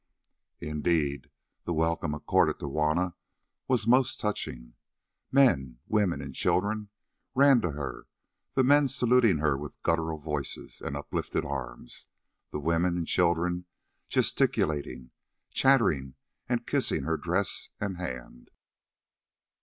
Indeed the welcome accorded to Juanna was most touching. Men, women, and children ran to her, the men saluting her with guttural voices and uplifted arms, the women and children gesticulating, chattering, and kissing her dress and hand.